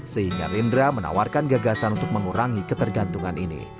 sehingga rendra menawarkan gagasan untuk mengurangi ketergantungan ini